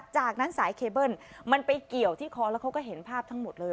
จากนั้นสายเคเบิ้ลมันไปเกี่ยวที่คอแล้วเขาก็เห็นภาพทั้งหมดเลย